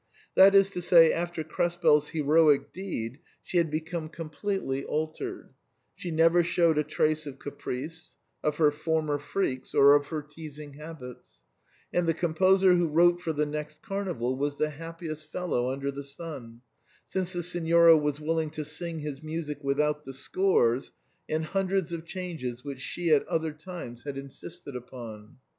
That is to say, after Krespel's heroic deed she had become completely altered ; she never showed a trace of caprice, of her former freaks, or of her teasing habits ; and the com poser who wrote for the next carnival was the happiest fellow under the sun, since the Signora was willing to sing his music without the scores and hundreds of changes which she at other times had insisted upon.